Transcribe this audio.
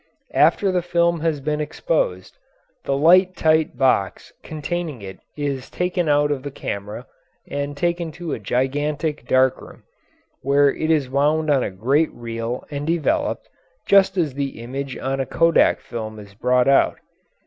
After the film has been exposed, the light tight box containing it is taken out of the camera and taken to a gigantic dark room, where it is wound on a great reel and developed, just as the image on a kodak film is brought out.